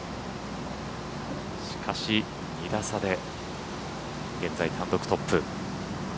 しかし、２打差で現在単独トップ。